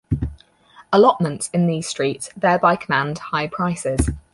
Allotments in these streets thereby command high prices.